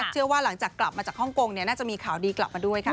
เชื่อว่าหลังจากกลับมาจากฮ่องกงน่าจะมีข่าวดีกลับมาด้วยค่ะ